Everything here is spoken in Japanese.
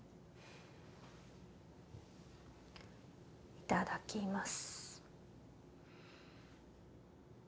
いただきます